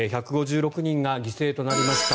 １５６人が犠牲となりました